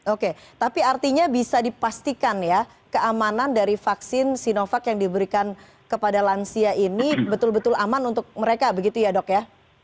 oke tapi artinya bisa dipastikan ya keamanan dari vaksin sinovac yang diberikan kepada lansia ini betul betul aman untuk mereka begitu ya dok ya